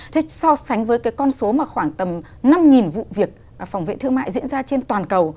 thế so sánh với cái con số mà khoảng tầm năm vụ việc phòng vệ thương mại diễn ra trên toàn cầu